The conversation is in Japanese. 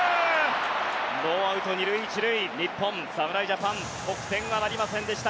ノーアウト２塁１塁日本、侍ジャパン得点はなりませんでした